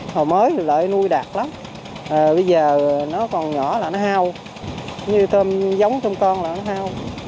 hồi mới lại nuôi đạt lắm bây giờ nó còn nhỏ là nó hao như tôm giống trong con là nó hao